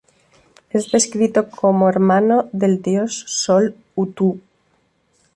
Es descrito como hermano del dios sol Utu.